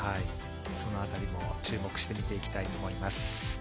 その辺りも注目して見ていきたいと思います。